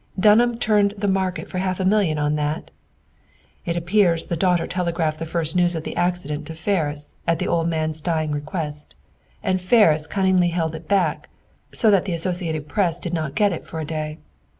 Dunham turned the market for a half million on that! It appears the daughter telegraphed the first news of the accident to Ferris, at the old man's dying request. And Ferris cunningly held it back, so that the Associated Press did not get it for a day.